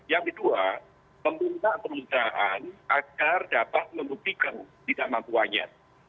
yang kedua meminta perusahaan agar dapat membuktikan tidak mampuannya